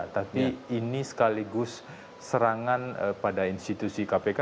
tapi ini sekaligus serangan pada institusi kpk